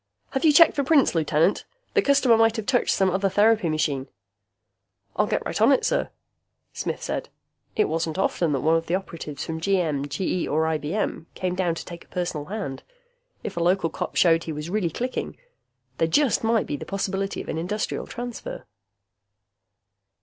"Have you checked for prints, Lieutenant? The customer might have touched some other therapy machine." "I'll get right on it, sir," Smith said. It wasn't often that one of the operatives from GM, GE, or IBM came down to take a personal hand. If a local cop showed he was really clicking, there just might be the possibility of an Industrial Transfer....